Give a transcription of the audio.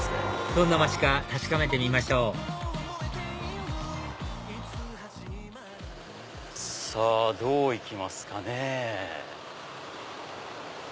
どんな街か確かめてみましょうさぁどう行きますかね。